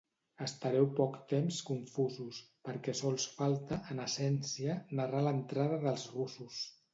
Estareu poc temps confusos, perquè sols falta, en essència, narrar l'entrada dels russos.